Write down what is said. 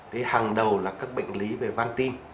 thì hàng đầu là các bệnh lý về van tim